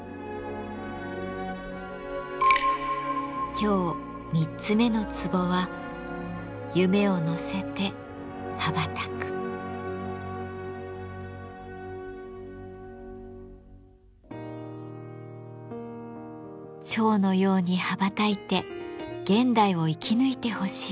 今日３つ目の壺は蝶のように羽ばたいて現代を生き抜いてほしい。